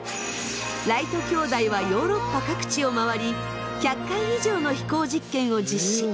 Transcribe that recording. ライト兄弟はヨーロッパ各地を回り１００回以上の飛行実験を実施。